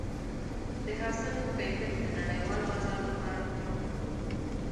د حاصل ښه کیفیت د نړیوال بازار لپاره مهم فاکتور دی.